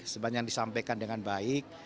sepanjang disampaikan dengan baik